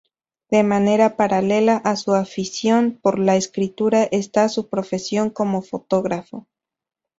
De manera paralela a su afición por la escritura está su profesión como fotógrafo.